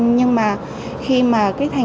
nhưng mà khi mà